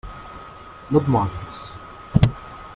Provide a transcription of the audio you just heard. No et moguis.